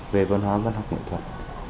về văn hóa văn học nghệ thuật